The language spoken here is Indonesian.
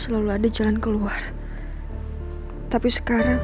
selamat malam mas